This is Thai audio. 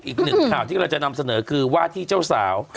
อีกหนึ่งข่าวที่เราจะนำเสนอคือว่าที่เจ้าสาว